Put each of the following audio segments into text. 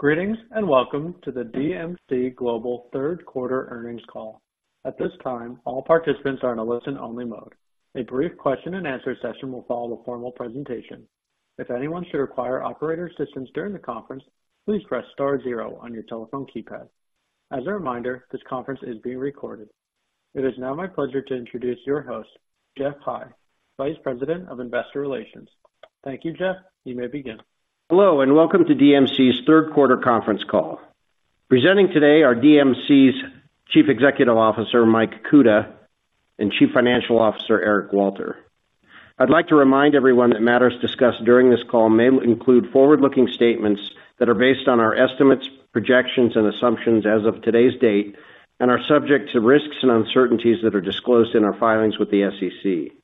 Greetings, and welcome to the DMC Global Q3 earnings call. At this time, all participants are in a listen-only mode. A brief question and answer session will follow the formal presentation. If anyone should require operator assistance during the conference, please press star zero on your telephone keypad. As a reminder, this conference is being recorded. It is now my pleasure to introduce your host, Geoff High, Vice President of Investor Relations. Thank you, Geoff. You may begin. Hello, and welcome to DMC's third quarter conference call. Presenting today are DMC's Chief Executive Officer, Mike Kuta, and Chief Financial Officer, Eric Walter. I'd like to remind everyone that matters discussed during this call may include forward-looking statements that are based on our estimates, projections, and assumptions as of today's date, and are subject to risks and uncertainties that are disclosed in our filings with the SEC.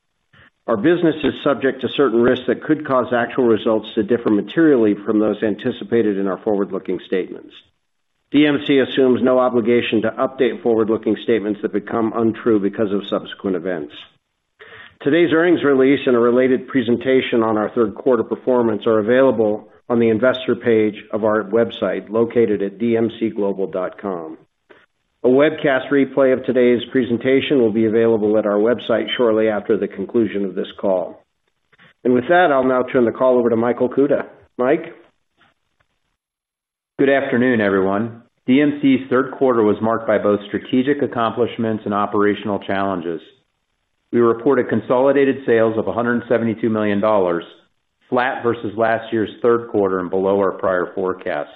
Our business is subject to certain risks that could cause actual results to differ materially from those anticipated in our forward-looking statements. DMC assumes no obligation to update forward-looking statements that become untrue because of subsequent events. Today's earnings release and a related presentation on our third quarter performance are available on the investor page of our website, located at dmcglobal.com. A webcast replay of today's presentation will be available at our website shortly after the conclusion of this call. With that, I'll now turn the call over to Michael Kuta. Mike? Good afternoon, everyone. DMC's third quarter was marked by both strategic accomplishments and operational challenges. We reported consolidated sales of $172 million, flat versus last year's third quarter, and below our prior forecasts.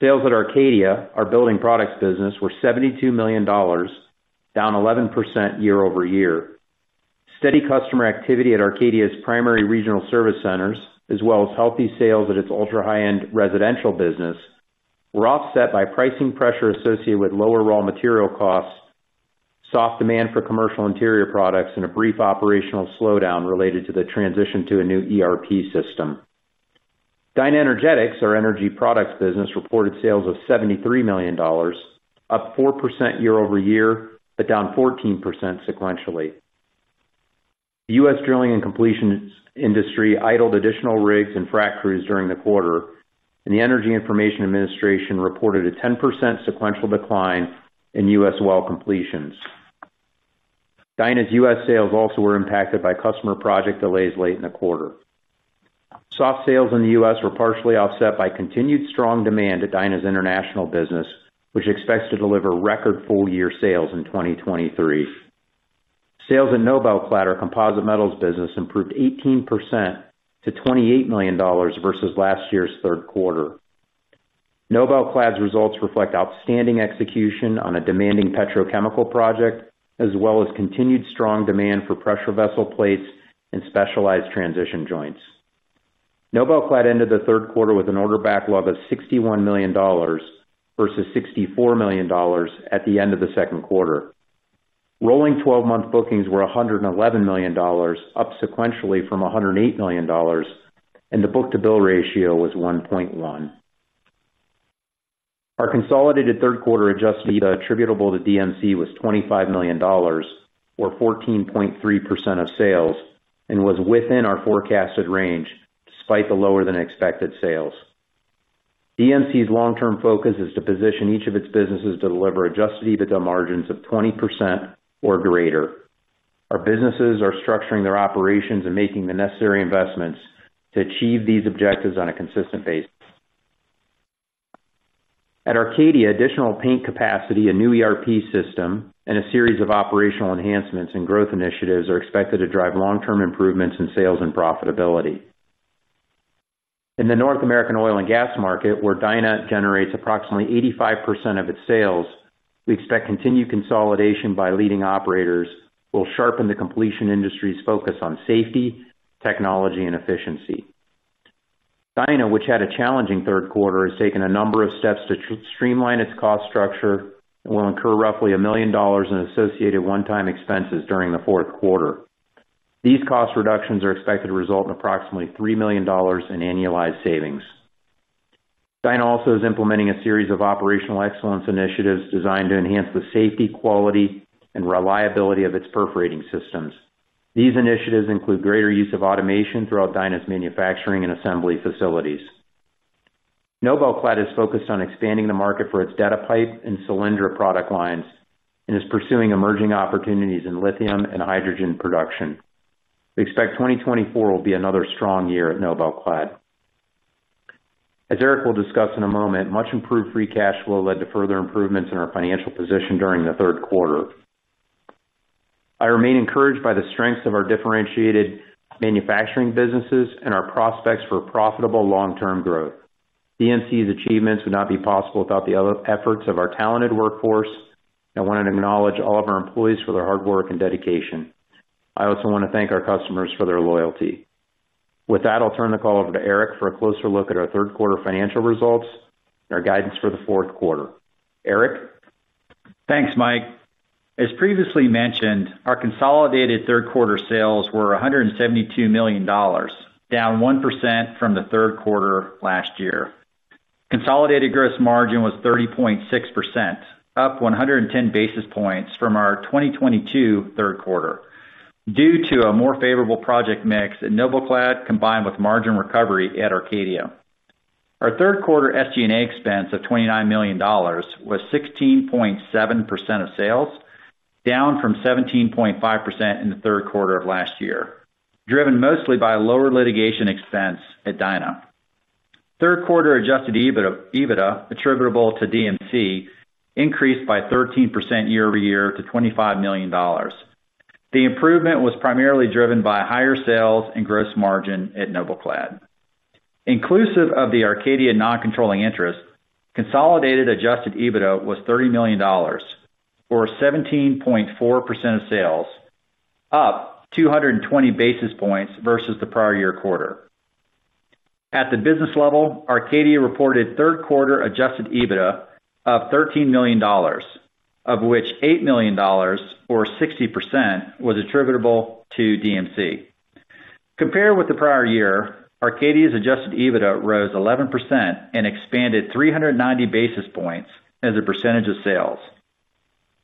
Sales at Arcadia, our building products business, were $72 million, down 11% year-over-year. Steady customer activity at Arcadia's primary regional service centers, as well as healthy sales at its ultra-high-end residential business, were offset by pricing pressure associated with lower raw material costs, soft demand for commercial interior products, and a brief operational slowdown related to the transition to a new ERP system. DynaEnergetics, our energy products business, reported sales of $73 million, up 4% year-over-year, but down 14% sequentially. The U.S. drilling and completion industry idled additional rigs and frac crews during the quarter, and the Energy Information Administration reported a 10% sequential decline in U.S. well completions. Dyna's U.S. sales also were impacted by customer project delays late in the quarter. Soft sales in the U.S. were partially offset by continued strong demand at Dyna's international business, which expects to deliver record full-year sales in 2023. Sales in NobelClad, our composite metals business, improved 18% to $28 million versus last year's third quarter. NobelClad's results reflect outstanding execution on a demanding petrochemical project, as well as continued strong demand for pressure vessel plates and specialized transition joints. NobelClad ended the third quarter with an order backlog of $61 million versus $64 million at the end of the second quarter. Rolling twelve-month bookings were $111 million, up sequentially from $108 million, and the book-to-bill ratio was 1.1. Our consolidated third quarter adjusted EBITDA attributable to DMC was $25 million, or 14.3% of sales, and was within our forecasted range, despite the lower-than-expected sales. DMC's long-term focus is to position each of its businesses to deliver adjusted EBITDA margins of 20% or greater. Our businesses are structuring their operations and making the necessary investments to achieve these objectives on a consistent basis. At Arcadia, additional paint capacity, a new ERP system, and a series of operational enhancements and growth initiatives are expected to drive long-term improvements in sales and profitability. In the North American oil and gas market, where Dyna generates approximately 85% of its sales, we expect continued consolidation by leading operators will sharpen the completion industry's focus on safety, technology, and efficiency. Dyna, which had a challenging third quarter, has taken a number of steps to streamline its cost structure and will incur roughly $1 million in associated one-time expenses during the fourth quarter. These cost reductions are expected to result in approximately $3 million in annualized savings. Dyna also is implementing a series of operational excellence initiatives designed to enhance the safety, quality, and reliability of its perforating systems. These initiatives include greater use of automation throughout Dyna's manufacturing and assembly facilities. NobelClad is focused on expanding the market for its DetaPipe and Cylindra product lines, and is pursuing emerging opportunities in lithium and hydrogen production. We expect 2024 will be another strong year at NobelClad. As Eric will discuss in a moment, much improved free cash flow led to further improvements in our financial position during the third quarter. I remain encouraged by the strengths of our differentiated manufacturing businesses and our prospects for profitable long-term growth. DMC's achievements would not be possible without the efforts of our talented workforce. I want to acknowledge all of our employees for their hard work and dedication. I also want to thank our customers for their loyalty. With that, I'll turn the call over to Eric for a closer look at our third quarter financial results and our guidance for the fourth quarter. Eric? Thanks, Mike. As previously mentioned, our consolidated third quarter sales were $172 million, down 1% from the third quarter last year. Consolidated gross margin was 30.6%, up 110 basis points from our 2022 third quarter. due to a more favorable project mix at NobelClad, combined with margin recovery at Arcadia. Our third quarter SG&A expense of $29 million was 16.7% of sales, down from 17.5% in the third quarter of last year, driven mostly by lower litigation expense at Dyna. Third quarter adjusted EBITDA, EBITDA attributable to DMC increased by 13% year-over-year to $25 million. The improvement was primarily driven by higher sales and gross margin at NobelClad. Inclusive of the Arcadia non-controlling interest, consolidated adjusted EBITDA was $30 million, or 17.4% of sales, up 220 basis points versus the prior year quarter. At the business level, Arcadia reported third quarter adjusted EBITDA of $13 million, of which $8 million, or 60%, was attributable to DMC. Compared with the prior year, Arcadia's adjusted EBITDA rose 11% and expanded 390 basis points as a percentage of sales.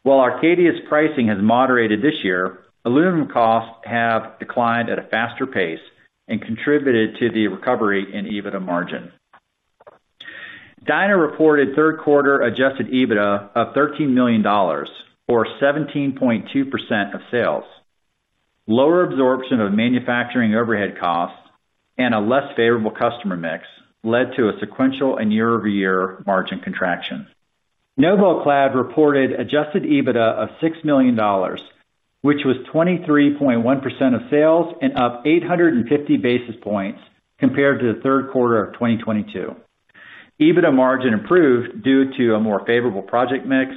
While Arcadia's pricing has moderated this year, aluminum costs have declined at a faster pace and contributed to the recovery in EBITDA margin. Dyna reported third quarter adjusted EBITDA of $13 million, or 17.2% of sales. Lower absorption of manufacturing overhead costs and a less favorable customer mix led to a sequential and year-over-year margin contraction. NobelClad reported adjusted EBITDA of $6 million, which was 23.1% of sales and up 850 basis points compared to the third quarter of 2022. EBITDA margin improved due to a more favorable project mix,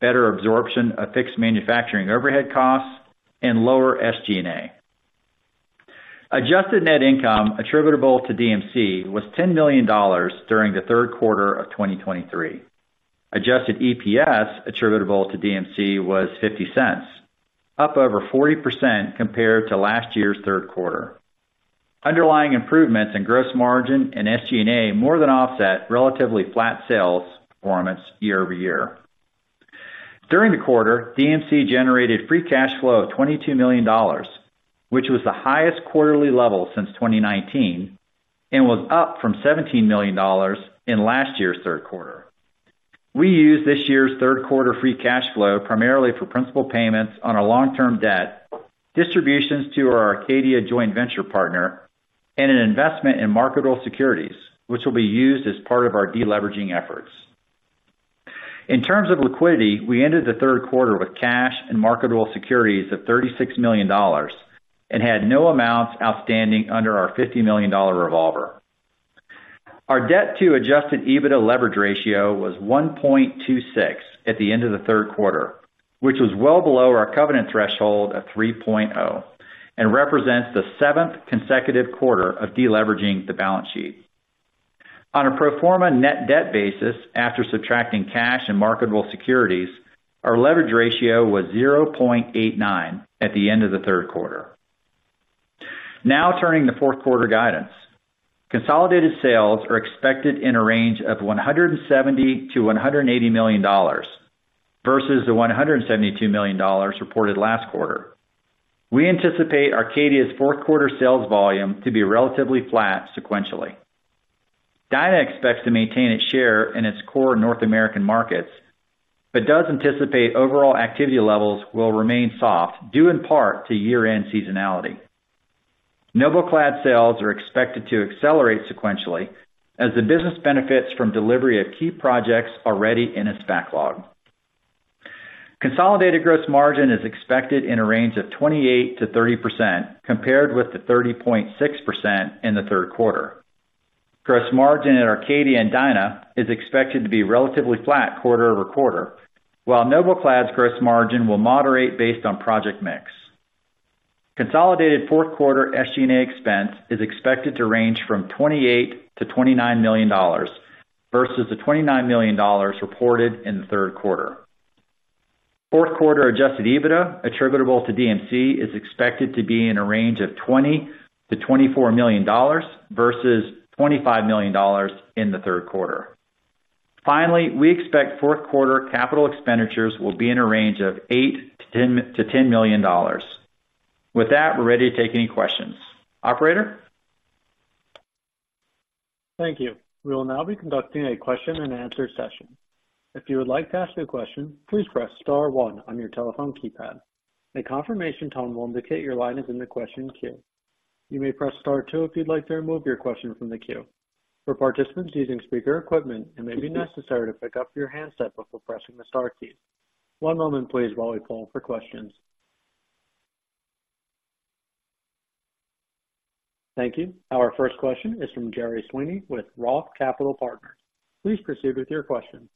better absorption of fixed manufacturing overhead costs, and lower SG&A. Adjusted net income attributable to DMC was $10 million during the third quarter of 2023. Adjusted EPS attributable to DMC was $0.50, up over 40% compared to last year's third quarter. Underlying improvements in gross margin and SG&A more than offset relatively flat sales performance year-over-year. During the quarter, DMC generated free cash flow of $22 million, which was the highest quarterly level since 2019, and was up from $17 million in last year's third quarter. We used this year's third quarter free cash flow primarily for principal payments on our long-term debt, distributions to our Arcadia joint venture partner, and an investment in marketable securities, which will be used as part of our deleveraging efforts. In terms of liquidity, we ended the third quarter with cash and marketable securities of $36 million and had no amounts outstanding under our $50 million revolver. Our debt to adjusted EBITDA leverage ratio was 1.26 at the end of the third quarter, which was well below our covenant threshold of 3.0, and represents the 7th consecutive quarter of deleveraging the balance sheet. On a pro forma net debt basis, after subtracting cash and marketable securities, our leverage ratio was 0.89 at the end of the third quarter. Now, turning to fourth quarter guidance. Consolidated sales are expected in a range of $170 million-$180 million, versus the $172 million reported last quarter. We anticipate Arcadia's fourth quarter sales volume to be relatively flat sequentially. Dyna expects to maintain its share in its core North American markets, but does anticipate overall activity levels will remain soft, due in part to year-end seasonality. NobelClad sales are expected to accelerate sequentially as the business benefits from delivery of key projects already in its backlog. Consolidated gross margin is expected in a range of 28%-30%, compared with the 30.6% in the third quarter. Gross margin at Arcadia and Dyna is expected to be relatively flat quarter over quarter, while NobelClad's gross margin will moderate based on project mix. Consolidated fourth quarter SG&A expense is expected to range from $28 million-$29 million versus the $29 million reported in the third quarter. Fourth quarter adjusted EBITDA attributable to DMC is expected to be in a range of $20 million-$24 million versus $25 million in the third quarter. Finally, we expect fourth quarter capital expenditures will be in a range of $8 million-$10 million. With that, we're ready to take any questions. Operator? Thank you. We will now be conducting a question-and-answer session. If you would like to ask a question, please press star one on your telephone keypad. A confirmation tone will indicate your line is in the question queue. You may press star two if you'd like to remove your question from the queue. For participants using speaker equipment, it may be necessary to pick up your handset before pressing the star key. One moment please while we call for questions. Thank you. Our first question is from Gerry Sweeney with ROTH Capital Partners. Please proceed with your question.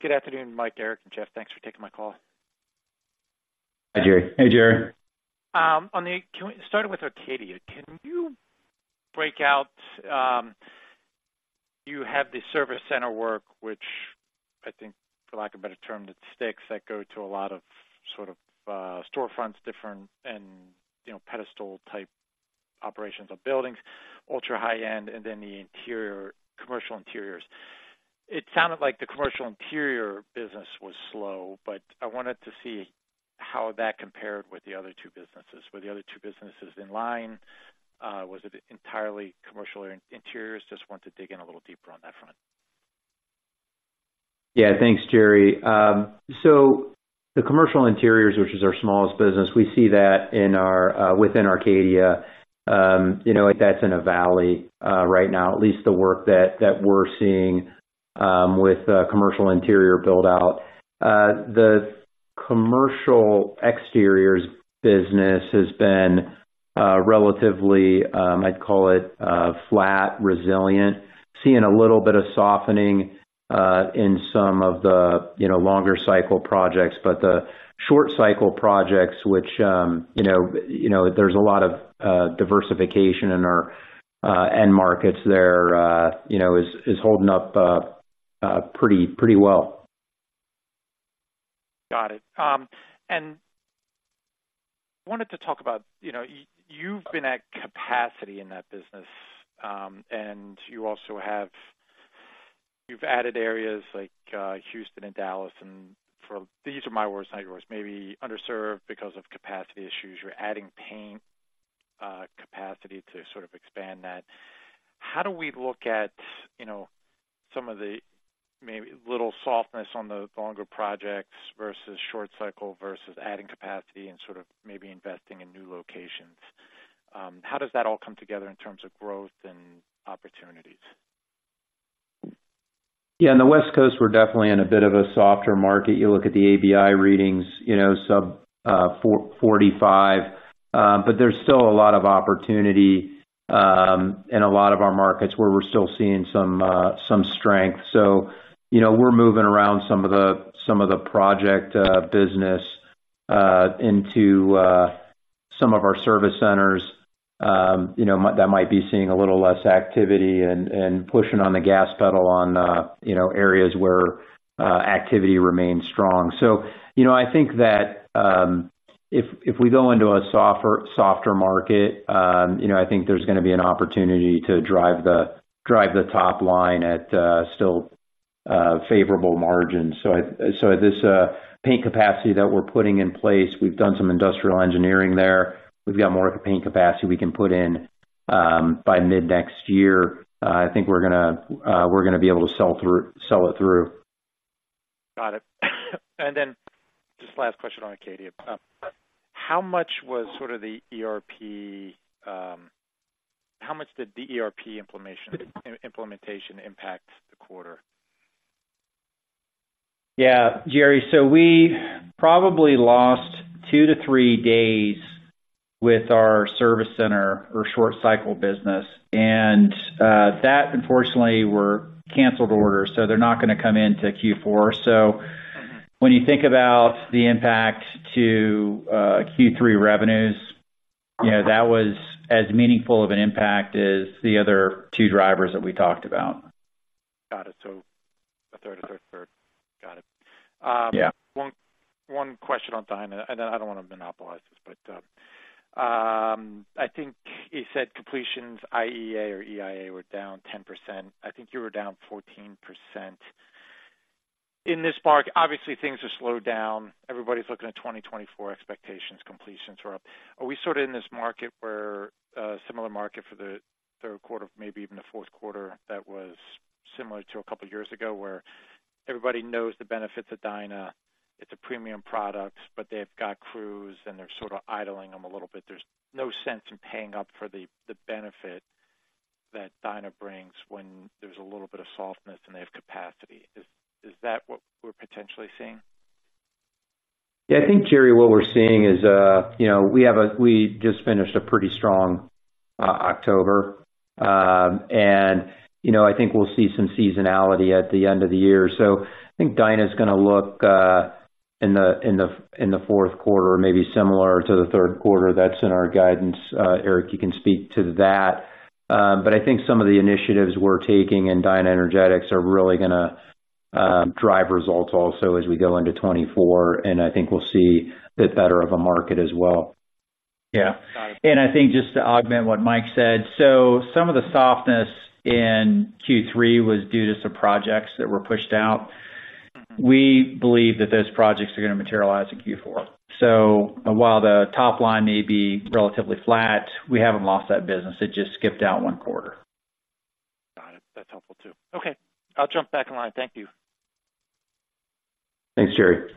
Good afternoon, Mike, Eric, and Geoff. Thanks for taking my call. Hi, Gerry. Hey, Gerry. On the—can we start with Arcadia? Can you break out, you have the service center work, which I think, for lack of a better term, the sticks that go to a lot of sort of, storefronts, different and, you know, pedestal-type operations of buildings, ultra high-end, and then the interior, commercial interiors. It sounded like the commercial interior business was slow, but I wanted to see how that compared with the other two businesses. Were the other two businesses in line? Was it entirely commercial interiors? Just want to dig in a little deeper on that front. Yeah. Thanks, Gerry. So the commercial interiors, which is our smallest business, we see that in our, within Arcadia. You know, that's in a valley, right now, at least the work that, that we're seeing, with commercial interior build-out. The commercial exteriors business has been, relatively, I'd call it, flat, resilient. Seeing a little bit of softening, in some of the, you know, longer cycle projects. But the short cycle projects, which, you know, you know, there's a lot of, diversification in our, end markets there, you know, is, is holding up, pretty, pretty well. Got it. And wanted to talk about, you know, you've been at capacity in that business, and you also have-- you've added areas like Houston and Dallas, and for these are my words, not yours, maybe underserved because of capacity issues. You're adding paint capacity to sort of expand that. How do we look at, you know, some of the maybe little softness on the longer projects versus short cycle, versus adding capacity and sort of maybe investing in new locations? How does that all come together in terms of growth and opportunities? Yeah, in the West Coast, we're definitely in a bit of a softer market. You look at the ABI readings, you know, sub 45. But there's still a lot of opportunity in a lot of our markets where we're still seeing some some strength. So, you know, we're moving around some of the some of the project business into some of our service centers, you know, that might be seeing a little less activity and pushing on the gas pedal on, you know, areas where activity remains strong. So, you know, I think that if if we go into a softer softer market, you know, I think there's gonna be an opportunity to drive the drive the top line at still favorable margins. So this paint capacity that we're putting in place, we've done some industrial engineering there. We've got more paint capacity we can put in by mid-next year. I think we're gonna, we're gonna be able to sell it through. Got it. And then, just last question on Arcadia. How much was sort of the ERP. How much did the ERP implementation impact the quarter? Yeah, Gerry, so we probably lost 2-3 days with our service center or short cycle business, and that unfortunately were canceled orders, so they're not gonna come in to Q4. So when you think about the impact to Q3 revenues, you know, that was as meaningful of an impact as the other two drivers that we talked about. Got it. So a third, a third, a third. Got it. Yeah. One question on Dyna, and then I don't want to monopolize this, but, I think you said completions, EIA, were down 10%. I think you were down 14%. In this market, obviously, things have slowed down. Everybody's looking at 2024 expectations, completions are up. Are we sort of in this market where, a similar market for the third quarter, maybe even the fourth quarter, that was similar to a couple of years ago, where everybody knows the benefits of Dyna? It's a premium product, but they've got crews, and they're sort of idling them a little bit. There's no sense in paying up for the benefit that Dyna brings when there's a little bit of softness and they have capacity. Is that what we're potentially seeing? Yeah. I think, Gerry, what we're seeing is, you know, we have a-- we just finished a pretty strong October. And, you know, I think we'll see some seasonality at the end of the year. So I think Dyna is gonna look in the fourth quarter, maybe similar to the third quarter. That's in our guidance. Eric, you can speak to that, but I think some of the initiatives we're taking in DynaEnergetics are really gonna drive results also as we go into 2024, and I think we'll see a bit better of a market as well. Yeah. Got it. I think just to augment what Mike said, so some of the softness in Q3 was due to some projects that were pushed out. Mm-hmm. We believe that those projects are gonna materialize in Q4. So while the top line may be relatively flat, we haven't lost that business. It just skipped out one quarter. Got it. That's helpful, too. Okay, I'll jump back in line. Thank you. Thanks, Gerry.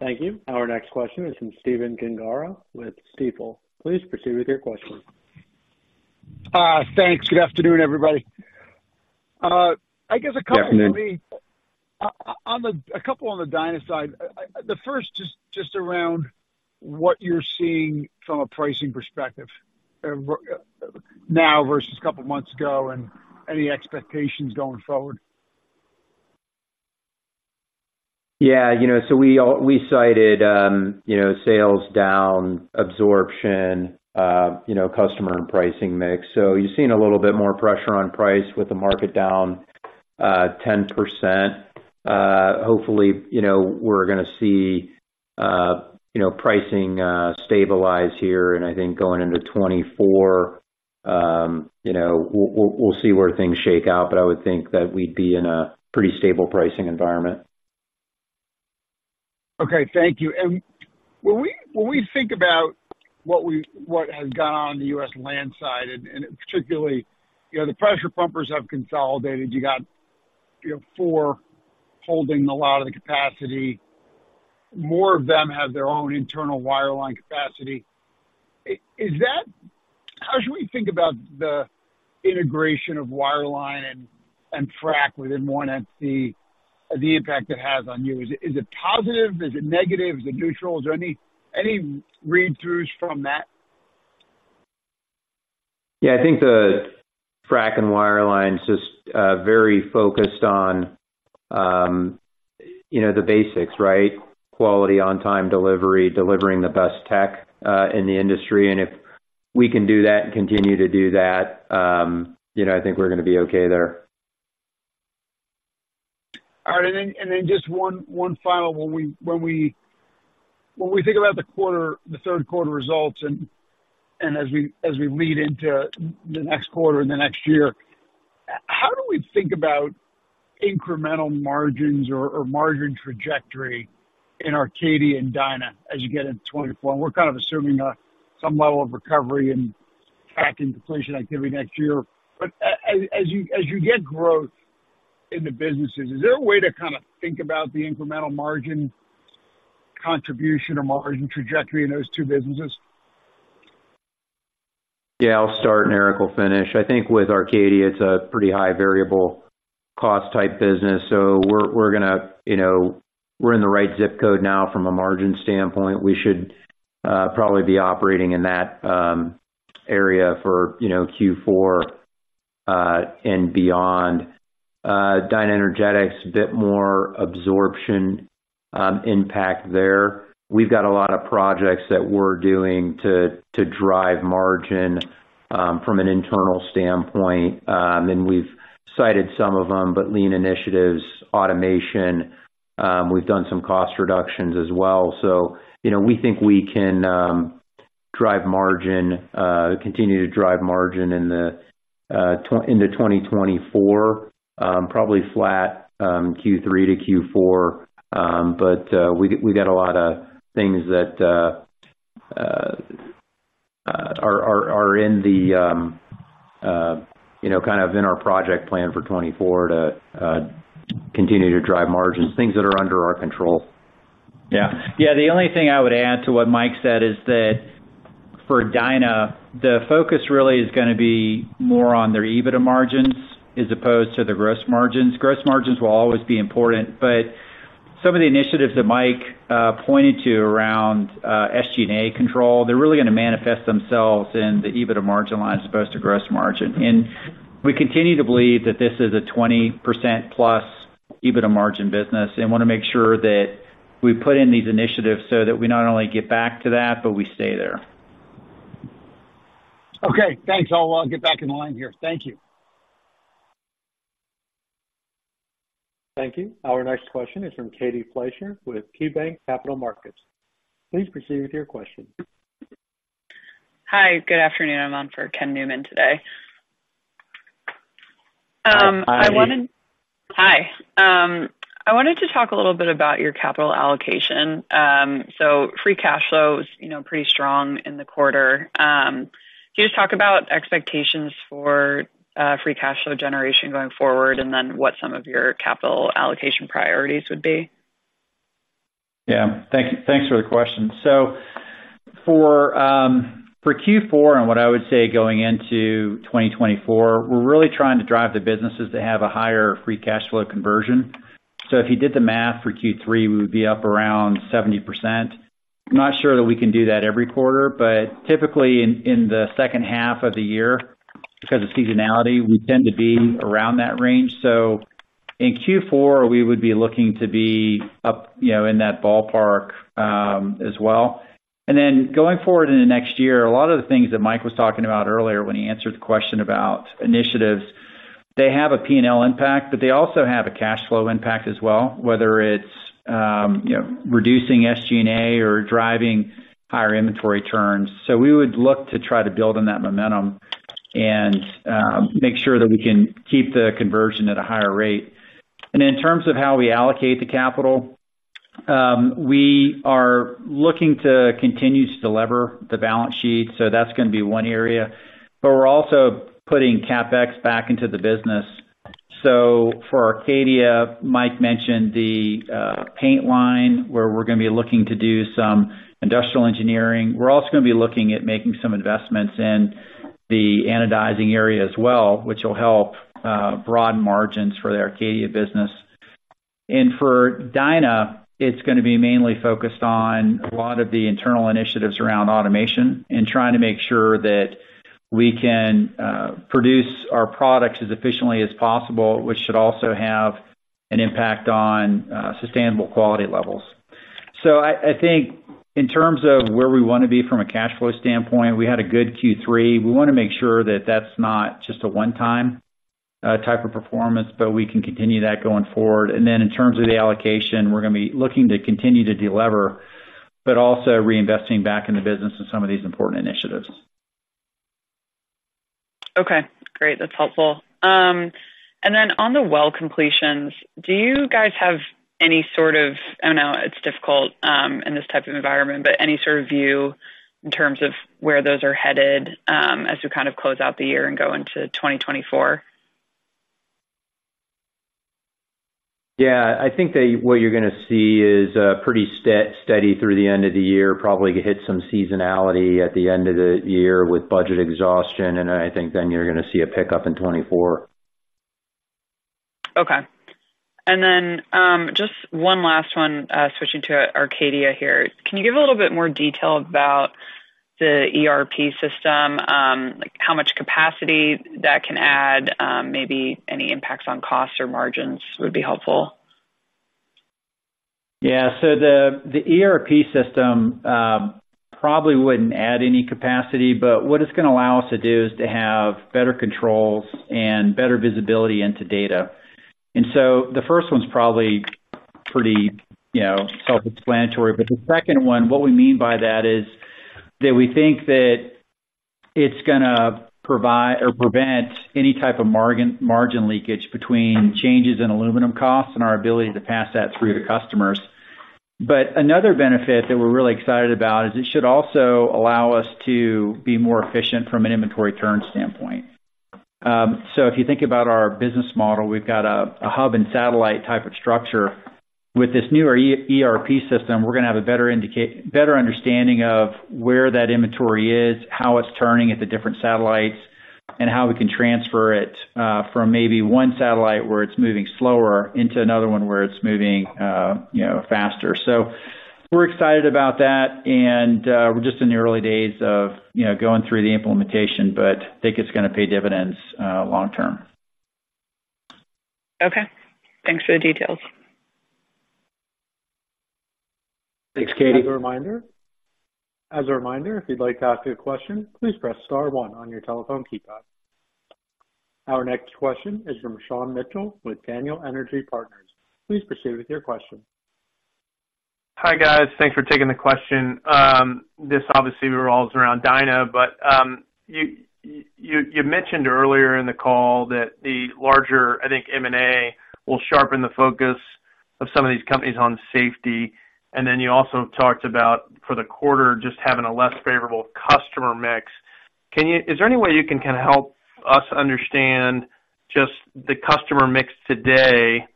Thank you. Our next question is from Stephen Gengaro with Stifel. Please proceed with your question. Thanks. Good afternoon, everybody. I guess a couple- Good afternoon. On the, a couple on the Dyna side. The first is just around what you're seeing from a pricing perspective, now versus a couple of months ago, and any expectations going forward? Yeah, you know, so we all we cited, you know, sales down, absorption, you know, customer and pricing mix. So you've seen a little bit more pressure on price with the market down 10%. Hopefully, you know, we're gonna see, you know, pricing stabilize here, and I think going into 2024, you know, we'll, we'll see where things shake out, but I would think that we'd be in a pretty stable pricing environment. Okay, thank you. And when we think about what has gone on in the U.S. landside, and particularly, you know, the pressure pumpers have consolidated. You got, you know, four holding a lot of the capacity. More of them have their own internal wireline capacity. Is that, How should we think about the integration of wireline and frack within ene SC, the impact it has on you? Is it positive? Is it negative? Is it neutral? Is there any read-throughs from that? Yeah, I think the frack and wireline's just very focused on, you know, the basics, right? Quality, on-time delivery, delivering the best tech in the industry, and if we can do that and continue to do that, you know, I think we're gonna be okay there. All right. And then just one final. When we think about the quarter, the third quarter results and as we lead into the next quarter and the next year, how do we think about incremental margins or margin trajectory in Arcadia and Dyna as you get into 2024? And we're kind of assuming some level of recovery in frack and completion activity next year, but as you get growth in the businesses, is there a way to kind of think about the incremental margin contribution or margin trajectory in those two businesses? Yeah, I'll start, and Eric will finish. I think with Arcadia, it's a pretty high variable cost type business, so we're gonna, you know, we're in the right zip code now from a margin standpoint. We should probably be operating in that area for, you know, Q4 and beyond. DynaEnergetics, a bit more absorption impact there. We've got a lot of projects that we're doing to drive margin from an internal standpoint, and we've cited some of them, but lean initiatives, automation, we've done some cost reductions as well. So, you know, we think we can drive margin, continue to drive margin in the into 2024, probably flat, Q3 to Q4. But we got a lot of things that are in the, you know, kind of in our project plan for 2024 to continue to drive margins, things that are under our control. Yeah. Yeah, the only thing I would add to what Mike said is that for Dyna, the focus really is gonna be more on their EBITDA margins as opposed to the gross margins. Gross margins will always be important, but some of the initiatives that Mike pointed to around SG&A control, they're really gonna manifest themselves in the EBITDA margin line as opposed to gross margin, and we continue to believe that this is a 20%+ EBITDA margin business and wanna make sure that we put in these initiatives so that we not only get back to that, but we stay there. Okay. Thanks, all. I'll get back in the line here. Thank you. Thank you. Our next question is from Katie Fleischer with KeyBanc Capital Markets. Please proceed with your question. Hi, good afternoon. I'm on for Ken Newman today. Hi. Hi. I wanted to talk a little bit about your capital allocation. So free cash flow is, you know, pretty strong in the quarter. Can you just talk about expectations for free cash flow generation going forward, and then what some of your capital allocation priorities would be? Yeah. Thanks for the question. So for Q4 and what I would say going into 2024, we're really trying to drive the businesses to have a higher free cash flow conversion. So if you did the math for Q3, we would be up around 70%. I'm not sure that we can do that every quarter, but typically in the second half of the year, because of seasonality, we tend to be around that range. So in Q4, we would be looking to be up, you know, in that ballpark, as well. And then, going forward in the next year, a lot of the things that Mike was talking about earlier when he answered the question about initiatives, they have a P&L impact, but they also have a cash flow impact as well, whether it's, you know, reducing SG&A or driving higher inventory turns. So we would look to try to build on that momentum and, make sure that we can keep the conversion at a higher rate. And in terms of how we allocate the capital, we are looking to continue to delever the balance sheet, so that's gonna be one area. But we're also putting CapEx back into the business. So for Arcadia, Mike mentioned the, paint line, where we're gonna be looking to do some industrial engineering. We're also gonna be looking at making some investments in the anodizing area as well, which will help broaden margins for the Arcadia business. And for Dyna, it's gonna be mainly focused on a lot of the internal initiatives around automation and trying to make sure that we can produce our products as efficiently as possible, which should also have an impact on sustainable quality levels. So I, I think in terms of where we wanna be from a cash flow standpoint, we had a good Q3. We wanna make sure that that's not just a one-time type of performance, but we can continue that going forward. And then in terms of the allocation, we're gonna be looking to continue to delever, but also reinvesting back in the business in some of these important initiatives. Okay, great. That's helpful, and then on the well completions, do you guys have any sort of, idon't know, it's difficult, in this type of environment, but any sort of view in terms of where those are headed, as we kind of close out the year and go into 2024? Yeah, I think that what you're gonna see is pretty steady through the end of the year. Probably hit some seasonality at the end of the year with budget exhaustion, and I think then you're gonna see a pickup in 2024. Okay. And then, just one last one, switching to Arcadia here. Can you give a little bit more detail about the ERP system? Like, how much capacity that can add, maybe any impacts on costs or margins would be helpful. Yeah. So the ERP system probably wouldn't add any capacity, but what it's gonna allow us to do is to have better controls and better visibility into data. And so the first one's probably pretty, you know, self-explanatory. But the second one, what we mean by that is, that we think that it's gonna provide or prevent any type of margin, margin leakage between changes in aluminum costs and our ability to pass that through to customers. But another benefit that we're really excited about is it should also allow us to be more efficient from an inventory turn standpoint. So if you think about our business model, we've got a hub-and-satellite type of structure. With this newer ERP system, we're gonna have a better understanding of where that inventory is, how it's turning at the different satellites, and how we can transfer it from maybe one satellite, where it's moving slower, into another one, where it's moving, you know, faster. So we're excited about that, and we're just in the early days of, you know, going through the implementation, but I think it's gonna pay dividends long term. Okay. Thanks for the details. Thanks, Katie. As a reminder, as a reminder, if you'd like to ask a question, please press star one on your telephone keypad. Our next question is from Sean Mitchell with Daniel Energy Partners. Please proceed with your question. Hi, guys. Thanks for taking the question. This obviously revolves around Dyna, but you mentioned earlier in the call that the larger, I think, M&A will sharpen the focus of some of these companies on safety, and then you also talked about for the quarter, just having a less favorable customer mix. Can you? Is there any way you can kind of help us understand just the customer mix today?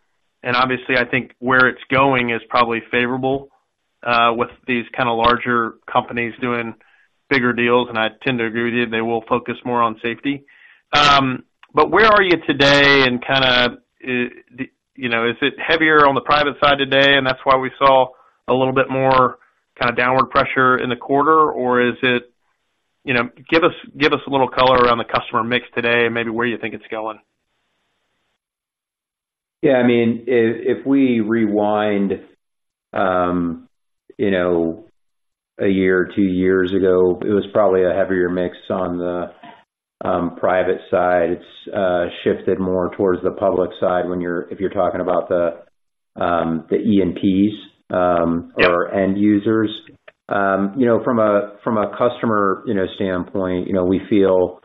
and obviously, I think where it's going is probably favorable with these kind of larger companies doing bigger deals, and I tend to agree with you, they will focus more on safety. But where are you today and kinda the You know, is it heavier on the private side today, and that's why we saw a little bit more kind of downward pressure in the quarter? Or is it, you know. Give us, give us a little color around the customer mix today and maybe where you think it's going? Yeah, I mean, if, if we rewind, you know, a year or two years ago, it was probably a heavier mix on the private side. It's shifted more towards the public side when you're—if you're talking about the the E&Ps, Yeah Or end users. You know, from a customer standpoint, you know, we feel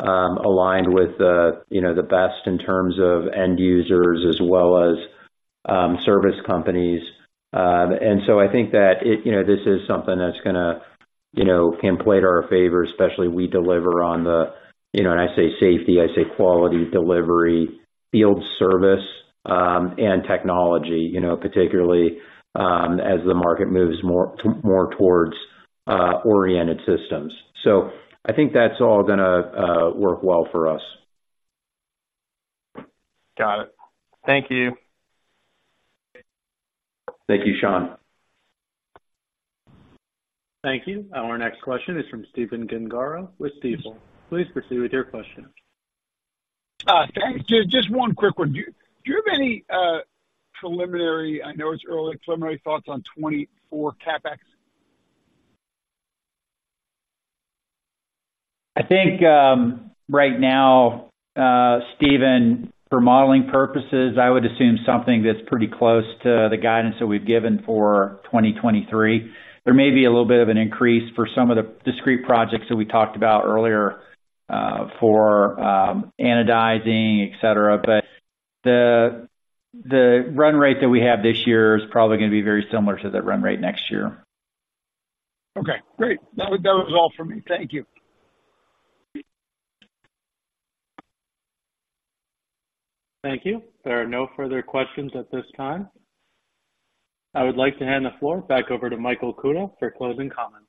aligned with the best in terms of end users as well as service companies, and so I think that it, you know, this is something that's gonna, you know, can play to our favor, especially we deliver on the, you know, when I say safety, I say quality, delivery, field service, and technology, you know, particularly, as the market moves more towards oriented systems. So I think that's all gonna work well for us. Got it. Thank you. Thank you, Sean. Thank you. Our next question is from Stephen Gengaro with Stifel. Please proceed with your question. Thanks. Just one quick one. Do you have any preliminary, I know it's early, preliminary thoughts on 2024 CapEx? I think, right now, Stephen, for modeling purposes, I would assume something that's pretty close to the guidance that we've given for 2023. There may be a little bit of an increase for some of the discrete projects that we talked about earlier, for anodizing, et cetera, but the run rate that we have this year is probably gonna be very similar to the run rate next year. Okay, great. That was, that was all for me. Thank you. Thank you. There are no further questions at this time. I would like to hand the floor back over to Michael Kuta for closing comments.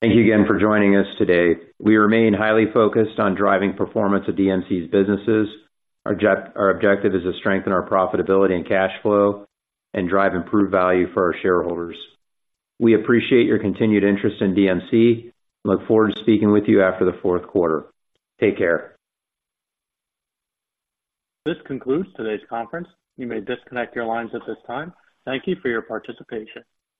Thank you again for joining us today. We remain highly focused on driving performance of DMC's businesses. Our objective is to strengthen our profitability and cash flow and drive improved value for our shareholders. We appreciate your continued interest in DMC and look forward to speaking with you after the fourth quarter. Take care. This concludes today's conference. You may disconnect your lines at this time. Thank you for your participation.